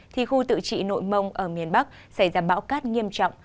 thì khu tự trị nội mông ở miền bắc xảy ra bão cát nghiêm trọng